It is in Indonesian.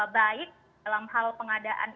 baik dalam hal pengadaan